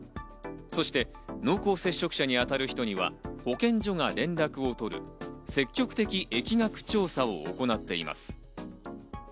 そして濃厚接触者に当たる人には保健所が連絡を取る積極的疫学調査を行っています。